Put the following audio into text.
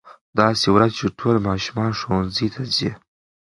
داسې ورځ چې ټول ماشومان ښوونځي ته ځي.